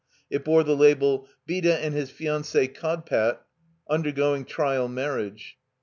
It bore the label: ''Beda And His Fianc6e Kodpat Undergoing Trial Marriage."